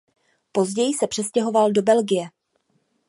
Později se přestěhoval do Belgie.